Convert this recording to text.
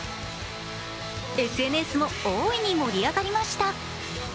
ＳＮＳも大いに盛り上がりました。